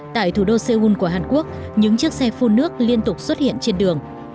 tại thủ đô seoul của hàn quốc những chiếc xe phun nước liên tục xuất hiện trên đường